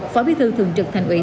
phó bí thư thường trực thành ủy